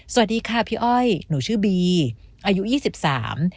สวัสดีค่ะพี่อ้อยหนูชื่อบีอายุยี่สิบสาม